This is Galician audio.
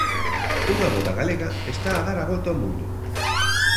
Unha voda galega está a dar a volta ao mundo.